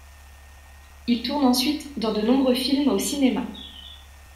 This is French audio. Il tourne ensuite dans de nombreux films au cinéma.